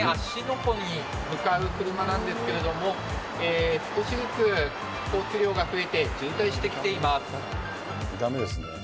湖に向かう車なんですけれども、少しずつ交通量が増えて、渋滞してきています。